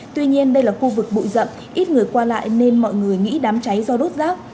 tuy nhiên đây là khu vực bụi rậm ít người qua lại nên mọi người nghĩ đám cháy do đốt rác